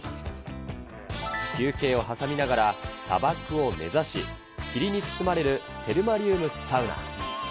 休憩を挟みながらサバクを目指し、霧に包まれるテルマリウムサウナ。